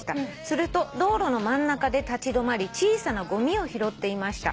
「すると道路の真ん中で立ち止まり小さなごみを拾っていました」